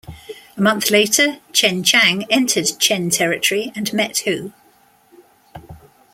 A month later, Chen Chang entered Chen territory and met Hou.